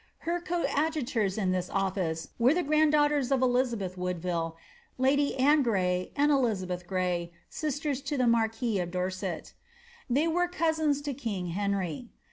Her coadjutors in this office vere ihe granddaughters of Elizabeth Woodville, lady Anne Gray, and Elizabeth Gray, sisters to the marquis of Dorset They were cousins to king Henry.